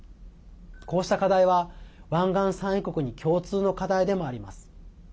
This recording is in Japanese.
こうした課題は湾岸産油国に共通の課題でもあります。